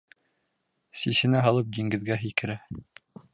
Сисенә һалып диңгеҙгә һикерә.